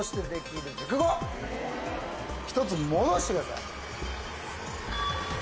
１つ戻してください。